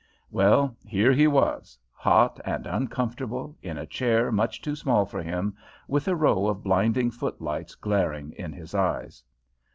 Well, here he was; hot and uncomfortable, in a chair much too small for him, with a row of blinding footlights glaring in his eyes.